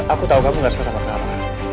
aku tau kamu gak suka sama clara